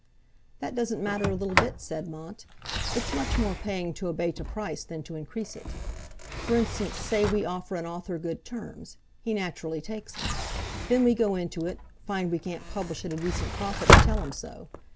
"That doesn't matter a little bit," said Mont; "it's much more paying to abate a price than to increase it. For instance, say we offer an author good terms—he naturally takes them. Then we go into it, find we can't publish at a decent profit and tell him so.